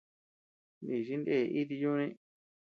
Nichi ndee iti yuni.